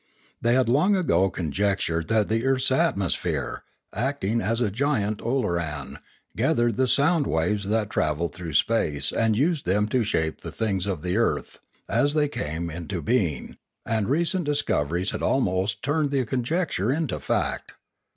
They bad long ago conjectured that the earth's atmosphere, act ing as a gigantic ooloran, gathered the sound waves that travelled through space and used them to shape Religion 679 the things of the earth, as they came into being; and recent discoveries had almost turned the conjecture into fact.